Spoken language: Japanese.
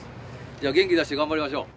じゃあ元気出して頑張りましょう。